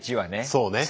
そうね。